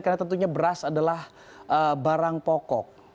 karena tentunya beras adalah barang pokok